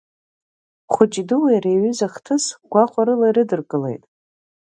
Хәыҷи-дуи ари аҩыза ахҭыс гәахәарыла ирыдыркылеит.